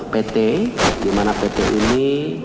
pt dimana pt ini